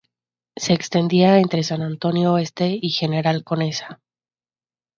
Se extendía entre San Antonio Oeste y General Conesa.